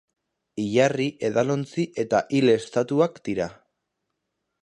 Hilarri, edalontzi eta hil estatuak dira.